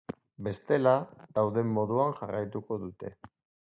Bestela, dauden moduan jarraituko dute.